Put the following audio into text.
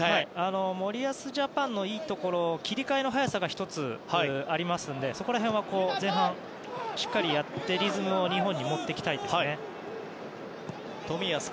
森保ジャパンのいいところに切り替えの早さがありますのでその辺、前半はしっかりやってリズムを日本に持っていきたいですね。